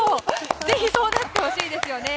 ぜひそうなってほしいですよね！